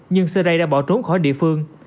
nhưng seray đã bỏ trốn khỏi địa phương